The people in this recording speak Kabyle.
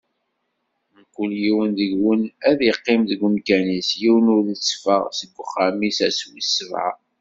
Mkul yiwen deg-wen ad iqqim deg umkan-is, yiwen ur itteffeɣ seg uxxam-is ass wis sebɛa.